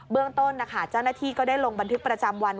เรื่องต้นนะคะเจ้าหน้าที่ก็ได้ลงบันทึกประจำวัน